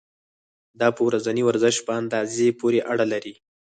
دا په ورځني ورزش په اندازې پورې اړه لري.